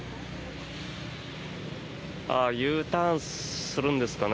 Ｕターンするんでしょうかね。